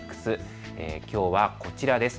きょうはこちらです。